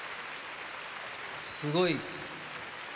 すごい。